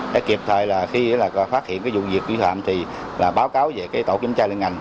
để kịp thời khi phát hiện vụ diệt kỷ thoạm thì báo cáo về tổ kiểm tra liên ngành